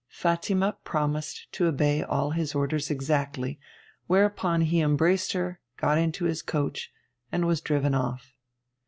Fatima promised to obey all his orders exactly; whereupon he embraced her, got into his coach, and was driven off.